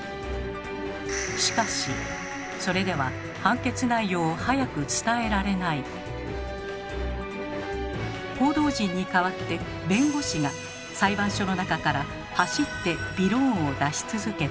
しかしそれでは報道陣に代わって弁護士が裁判所の中から走ってびろーんを出し続けた。